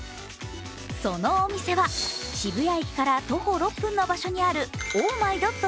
そのお店は渋谷駅から徒歩６分の場所にあるｏｈｍｙＤＯＴ